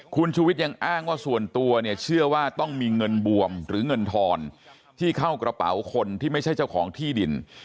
คุณชูวิทย์ยังอ้างว่าส่วนตัวเนี่ยเชื่อว่าต้องมีเงินบวมหรือเงินทอนที่เข้ากระเป๋าคนที่ไม่ใช่เจ้าของที่ดิน